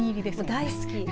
大好き。